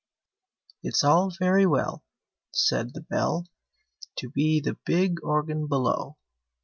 It's all very well, Said the Bell, To be the big Organ below!